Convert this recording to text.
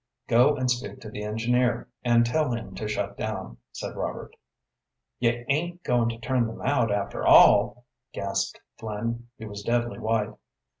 "Go and speak to the engineer, and tell him to shut down," said Robert. "You ain't going to turn them out, after all?" gasped Flynn. He was deadly white.